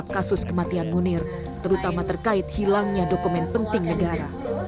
kasus kematian munir terutama terkait hilangnya dokumen penting negara